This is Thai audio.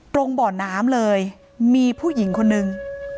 บ่อน้ำเลยมีผู้หญิงคนนึง